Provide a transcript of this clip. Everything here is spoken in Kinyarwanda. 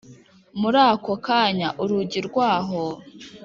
murako kanya urugi rwaho